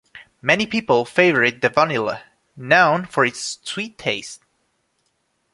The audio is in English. Many people favourite the Vanilla, known for its sweet taste.